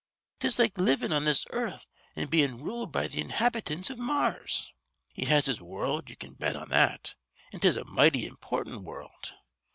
Tis like livin' on this earth an' bein' ruled by the inhabitants iv Mars. He has his wurruld, ye can bet on that, an' 'tis a mighty important wurruld.